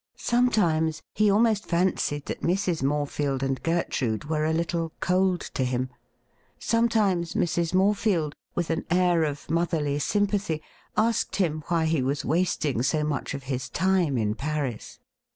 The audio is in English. Sometimes he almost •fancied that Mrs. Morefield and Gertrude were a little ■cold to him. Sometimes Mrs. Morefield, with an air of motherly sympathy, asked him why he was wasting so 'much of his time in Paris.